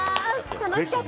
楽しかった。